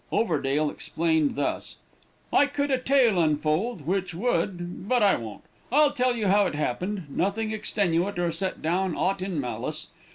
Overdale explained thus: "I could a tale unfold, which would but I won't I'll tell you how it happened, nothing extenuate or set down aught in malice.